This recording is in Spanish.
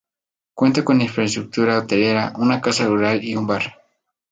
Cuenta con infraestructura hotelera, una casa rural y un bar.